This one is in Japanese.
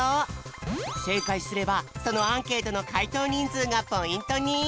せいかいすればそのアンケートのかいとうにんずうがポイントに！